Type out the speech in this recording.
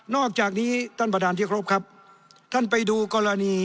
นอกจากนี้ท่านประดานที่ครบครับท่านไปดูกรณีของลังสิมันโรม